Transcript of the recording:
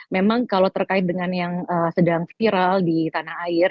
memang kalau terkait dengan yang sedang viral di tanah air